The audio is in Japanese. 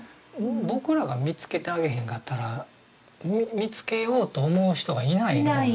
僕らが見つけてあげへんかったら見つけようと思う人がいない。